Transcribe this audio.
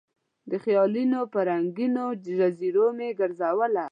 د خیالونو په رنګینو جزیرو مې ګرزوله